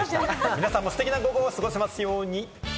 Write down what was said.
皆さんもステキな午後を過ごせますように。